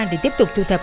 để tiếp tục thu thập